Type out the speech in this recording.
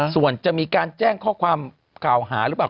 ส่วนจะมีการแจ้งข้อความกล่าวหาหรือเปล่า